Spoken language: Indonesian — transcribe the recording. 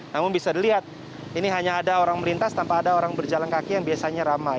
namun bisa dilihat ini hanya ada orang melintas tanpa ada orang berjalan kaki yang biasanya ramai